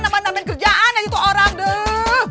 nama namen kerjaan aja tuh orang duh